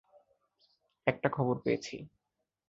একটা খবর পেয়েছি।